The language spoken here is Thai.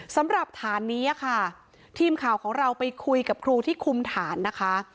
สำหรับฐานนี้ค่ะทีมข่าวของเราไปคุยกับครูที่คุมฐานนะคะ